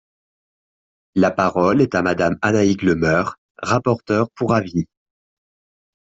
La parole est à Madame Annaïg Le Meur, rapporteure pour avis.